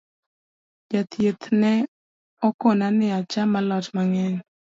Jathieth ne okona ni acham alot mang’eny